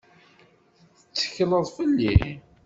Tettekleḍ fell-i?